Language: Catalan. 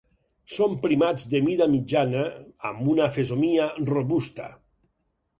Són primats de mida mitjana, amb una fesomia robusta.